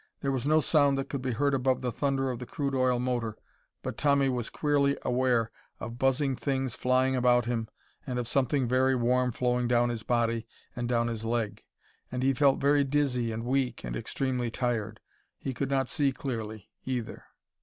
There was no sound that could be heard above the thunder of the crude oil motor, but Tommy, was queerly aware of buzzing things flying about him, and of something very warm flowing down his body and down his leg. And he felt very dizzy and weak and extremely tired.... He could not see clearly, either.